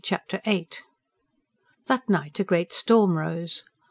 Chapter VIII That night a great storm rose.